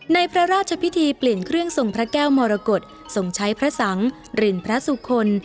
ในพระราชพิธีเปลี่ยนเครื่องทรงพระแก้วมรกฏส่งใช้พระสังหรือพระสุคล